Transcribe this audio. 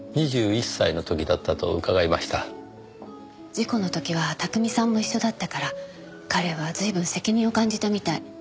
事故の時は巧さんも一緒だったから彼は随分責任を感じたみたい。